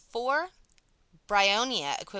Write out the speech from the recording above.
iv Bryonia, Equiv.